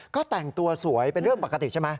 ก็แต่งตัวสวยเป็นเรื่องปกติใช่ไหม